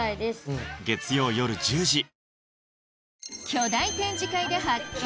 巨大展示会で発見